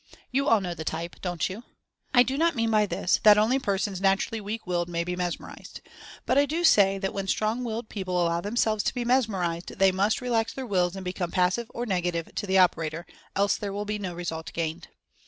You all know the type, don't you? I do not mean by this that only persons naturally weak willed may be mesmerized. But I do say that when strong willed people allow themselves to be mes merized they must relax their Wills and become passive or negative to the operator, else there will be no result gained.